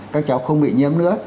các cháu không bị nhiễm nữa